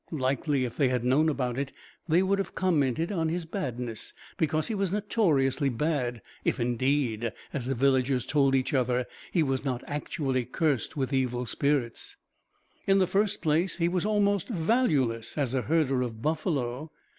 Likely, if they had known about it, they would have commented on his badness, because he was notoriously bad, if indeed as the villagers told each other he was not actually cursed with evil spirits. In the first place, he was almost valueless as a herder of buffalo.